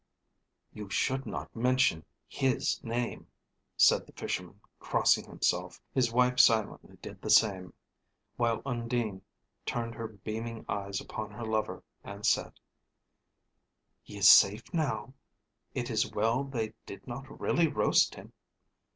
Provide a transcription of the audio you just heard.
"You should not mention his name," said the Fisherman, crossing himself; his wife silently did the same, while Undine turned her beaming eyes upon her lover, and said "He is safe now; it is well they did not really roast him.